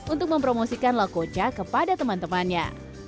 untuk mempromosikan lah ocha kepada teman temannya